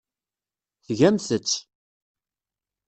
Tgamt-tt.